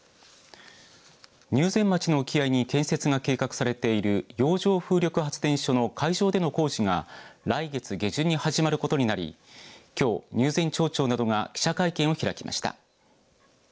入善町の沖合に建設が計画されている洋上風力発電所の海上での工事が来月下旬に始まることになりきょう入善町長などが記者会見を開きました。